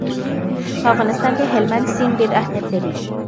په افغانستان کې هلمند سیند ډېر اهمیت لري.